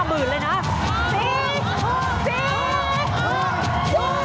แจ๊คพอร์ตแปง